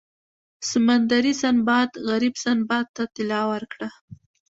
سمندري سنباد غریب سنباد ته طلا ورکړه.